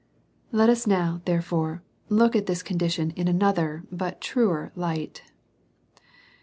Let us now, therefore, look at this condition in ano ther but truer light.